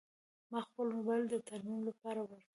ما خپل موبایل د ترمیم لپاره ورکړ.